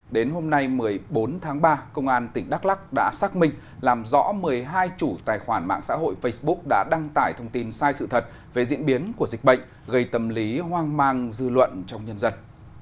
đến hôm nay một mươi bốn tháng ba công an tỉnh đắk lắc đã xác minh làm rõ một mươi hai chủ tài khoản mạng xã hội facebook đã đăng tải thông tin sai sự thật về diễn biến của dịch bệnh gây tâm lý hoang mang dư luận trong nhân dân